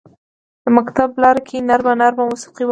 د مکتب لارکې نرمه، نرمه موسیقي وکري